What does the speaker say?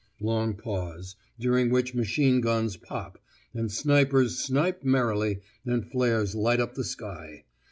Long pause, during which machine guns pop, and snipers snipe merrily, and flares light up the sky.